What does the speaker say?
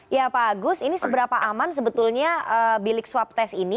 ya pak agus ini seberapa aman sebetulnya bilik swab test ini